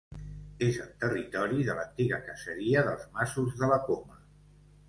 És en territori de l'antiga caseria dels Masos de la Coma.